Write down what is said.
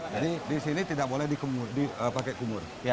jadi di sini tidak boleh dipakai kumur